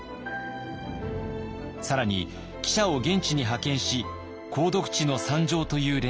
更に記者を現地に派遣し「鉱毒地の惨状」という連載を展開。